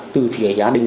từ phía gia đình